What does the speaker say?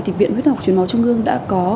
thì viện huyết học truyền máu trung ương đã có